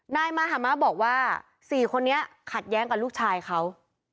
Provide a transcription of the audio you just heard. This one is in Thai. นายมหามะบอกว่า๔คนนี้ขัดแย้งกับลูกชายเขา